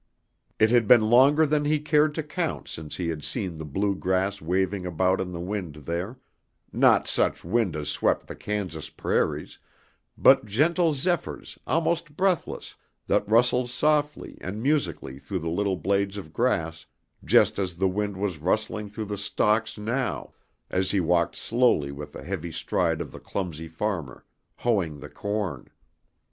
It had been longer than he cared to count since he had seen the blue grass waving about in the wind there, not such wind as swept the Kansas prairies, but gentle zephyrs almost breathless that rustled softly and musically through the little blades of grass just as the wind was rustling through the stalks now as he walked slowly with the heavy stride of the clumsy farmer, hoeing the corn.